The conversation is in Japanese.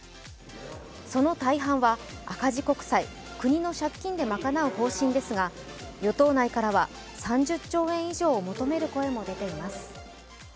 その大半は、赤字国債＝国の借金で賄う方針ですが、与党内からは、３０兆円以上を求める声も出ています。